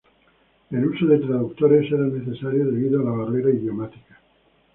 El uso de traductores era necesario debido a la barrera idiomática.